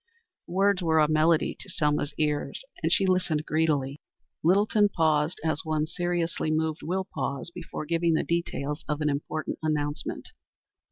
The words were as a melody in Selma's ears, and she listened greedily. Littleton paused, as one seriously moved will pause before giving the details of an important announcement.